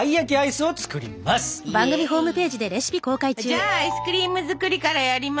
じゃあアイスクリーム作りからやりま。